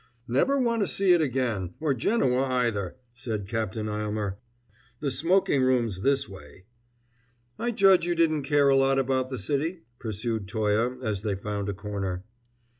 "Never want to see it again, or Genoa either," said Captain Aylmer. "The smoking room's this way." "I judge you didn't care a lot about the city?" pursued Toye as they found a corner.